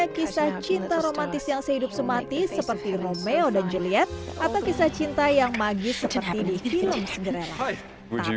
kisah cinta romantis yang sehidup semati seperti romeo dan juliet atau kisah cinta yang magis seperti di film segera